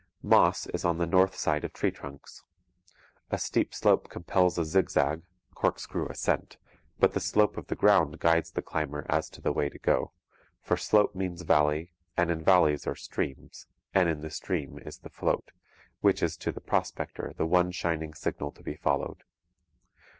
Moss is on the north side of tree trunks. A steep slope compels a zigzag, corkscrew ascent, but the slope of the ground guides the climber as to the way to go; for slope means valley; and in valleys are streams; and in the stream is the 'float,' which is to the prospector the one shining signal to be followed.